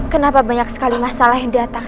kenapa banyak sekali masalah yang datang